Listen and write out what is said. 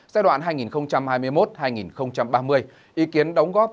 giai đoạn hai nghìn hai mươi một hai nghìn ba mươi